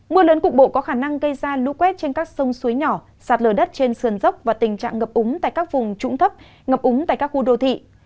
mưa lớn cục bộ có khả năng gây ra lũ quét trên các sông suối nhỏ sạt lở đất trên sườn dốc và tình trạng ngập úng tại các vùng trũng thấp ngập úng tại các khu đô thị